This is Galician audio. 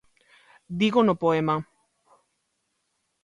Digo no poema.